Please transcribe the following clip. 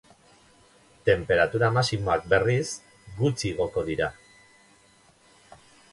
Tenperatura maximoak, berriz, gutxi igoko dira.